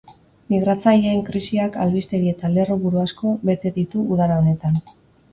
Migratzaileen krisiak albistegi eta lerro-buru asko bete ditu udara honetan.